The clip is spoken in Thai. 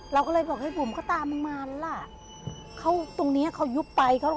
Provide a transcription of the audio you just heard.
เราก็เลยบอกเฮ้ยบุ๋มเขาตามมึงมาแล้วล่ะเขาตรงเนี้ยเขายุบไปเขา